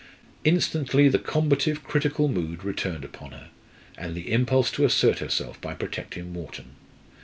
Instantly the combative critical mood returned upon her, and the impulse to assert herself by protecting Wharton.